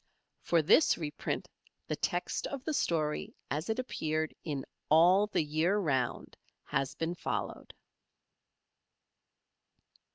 For this reprint the text of the story as it appeared in "All the Year Round" has been followed.